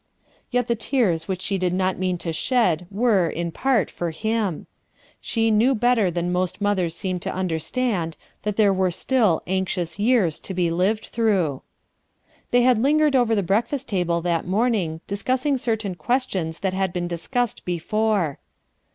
Yet the tears which she did not mean to shed WHIMS 7 were, in part, for him. She knew better than most mothers scorn to understand that there were still "anxious years" to be lived through. They had lingered over the breakfast tabic that morning, discussing certain questions that had been discussed before.